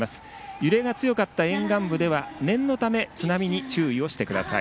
揺れが強かった地域では念のため津波に注意してください。